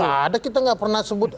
tidak ada kita tidak pernah sebut